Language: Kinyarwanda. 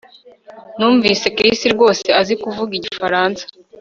Numvise Chris rwose azi kuvuga igifaransa